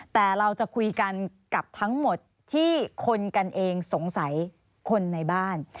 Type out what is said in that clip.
แต่เราจะคุยกันกับทั้งหมดที่คนกันเองสงสัยคนในบ้าน